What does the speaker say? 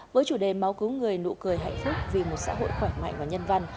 với chủ đề máu cứu người nụ cười hạnh phúc vì một xã hội khỏe mạnh và nhân văn